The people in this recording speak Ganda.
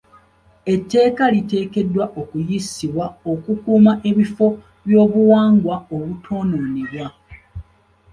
Etteeka liteekeddwa okuyisibwa okukuuma ebifo by'obuwangwa obutoonoonebwa.